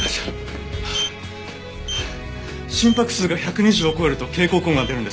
心拍数が１２０を超えると警告音が出るんです。